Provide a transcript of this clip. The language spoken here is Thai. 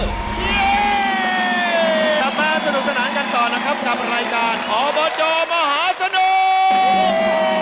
กลับมาสนุกสนานกันต่อนะครับกับรายการอบจมหาสนุก